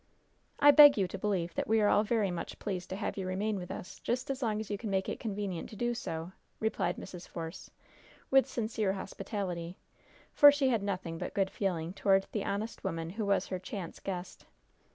"I beg you to believe that we are all very much pleased to have you remain with us just as long as you can make it convenient to do so," replied Mrs. Force, with sincere hospitality; for she had nothing but good feeling toward the honest woman who was her chance guest.